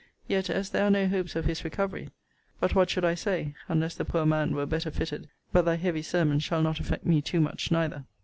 Yet, as there are no hopes of his recovery but what should I say, unless the poor man were better fitted but thy heavy sermon shall not affect me too much neither.